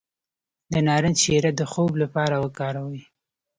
د نارنج شیره د خوب لپاره وکاروئ